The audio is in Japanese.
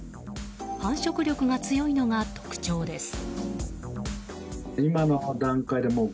繁殖力が強いのが特徴です。